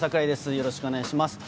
よろしくお願いします。